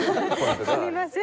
すみません。